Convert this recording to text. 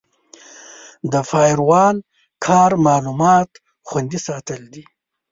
د فایروال کار معلومات خوندي ساتل دي.